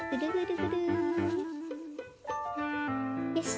よし！